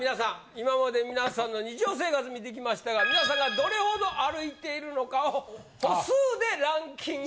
今まで皆さんの日常生活見てきましたが皆さんがどれほど歩いているのかを歩数でランキング。